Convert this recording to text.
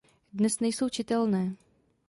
Dnes nejsou čitelné.